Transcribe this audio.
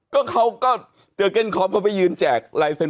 ก็เขาก็เดียวเก้นคอปเขาไปยืนแจ้งไลน์เซนต์